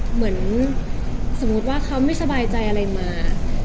เหมือนสมมุติว่าเขาไม่สบายใจอะไรมา